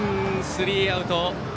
スリーアウト。